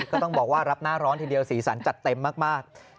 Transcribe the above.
ก็ต้องบอกว่ารับหน้าร้อนทีเดียวสีสันจัดเต็มมาก